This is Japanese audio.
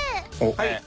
はい。